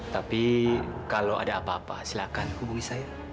tapi kalau ada apa apa silahkan hubungi saya